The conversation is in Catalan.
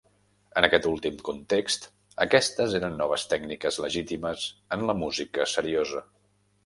En aquest últim context, aquestes eren noves tècniques legítimes en la música seriosa.